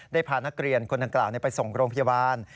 พานักเรียนคนดังกล่าวไปส่งโรงพยาบาล